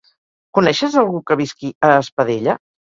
Coneixes algú que visqui a Espadella?